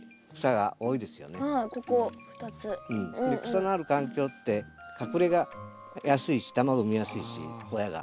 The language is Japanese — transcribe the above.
草のある環境って隠れやすいし卵産みやすいし親が。